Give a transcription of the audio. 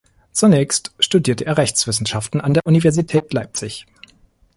Zunächst studierte er Rechtswissenschaften an der Universität Leipzig.